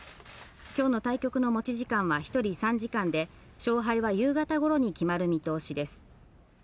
今日の対局の持ち時間は１人３時間で、勝敗は夕方頃に決まる見通